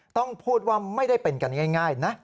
ต้องพูดว่าไม่ได้เป็นกันง่ายนะ